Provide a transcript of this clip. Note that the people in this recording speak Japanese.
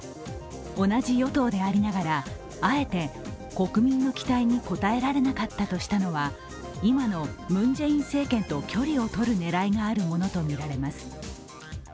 同じ与党でありながら、あえて国民の期待に応えられなかったとしたのは、今のムン・ジェイン政権と距離をとる狙いがあるものとみられます。